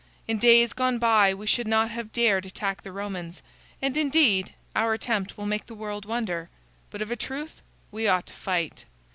In days gone by, we should not have dared attack the Romans, and indeed, our attempt will make the world wonder. But of a truth, we ought to fight."